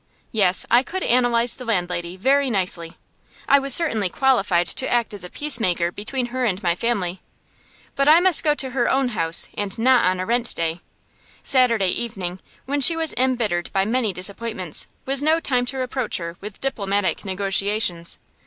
Yes, I could analyze the landlady very nicely. I was certainly qualified to act as peacemaker between her and my family. But I must go to her own house, and not on a rent day. Saturday evening, when she was embittered by many disappointments, was no time to approach her with diplomatic negotiations.